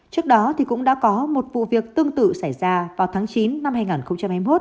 trước đó cũng đã có một vụ việc tương tự xảy ra vào tháng chín năm hai nghìn hai mươi một